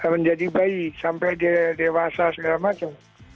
menjadi bayi sampai dia dewasa segala macam